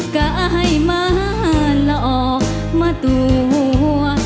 ก็ให้มาหลอกมาตัว